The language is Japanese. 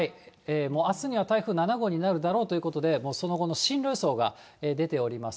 もうあすには台風７号になるだろうということで、その後の進路予想が出ております。